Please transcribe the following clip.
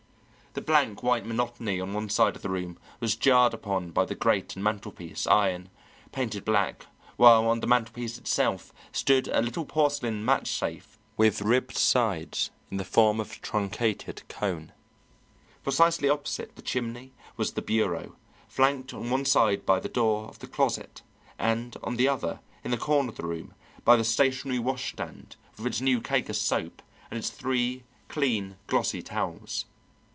The blank, white monotony of one side of the room was jarred upon by the grate and mantelpiece, iron, painted black, while on the mantelpiece itself stood a little porcelain matchsafe with ribbed sides in the form of a truncated cone. Precisely opposite the chimney was the bureau, flanked on one side by the door of the closet, and on the other in the corner of the room by the stationary washstand with its new cake of soap and its three clean, glossy towels.